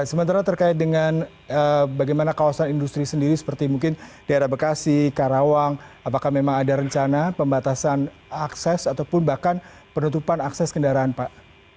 sementara terkait dengan bagaimana kawasan industri sendiri seperti mungkin daerah bekasi karawang apakah memang ada rencana pembatasan akses ataupun bahkan penutupan akses kendaraan pak